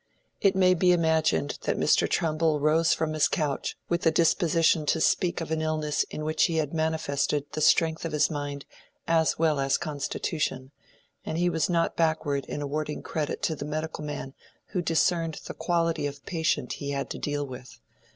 It may be imagined that Mr. Trumbull rose from his couch with a disposition to speak of an illness in which he had manifested the strength of his mind as well as constitution; and he was not backward in awarding credit to the medical man who had discerned the quality of patient he had to deal with.